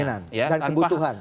keinginan dan kebutuhan